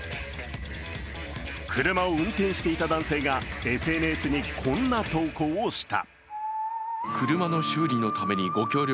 車を運転していた男性がＳＮＳにこんな投稿をした。